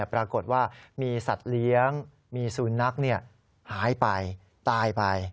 ปรากฏว่ามีสัตว์เลี้ยงมีสุนัขหายไปตายไป